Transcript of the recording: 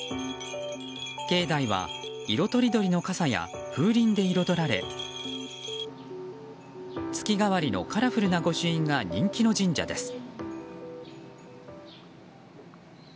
境内は、色とりどりの傘や風鈴で彩られ月替わりのカラフルな御朱印が人気の神社です。